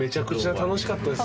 楽しかったです。